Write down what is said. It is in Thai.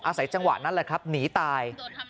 อาศัยจังหวะนั้นหนีตาย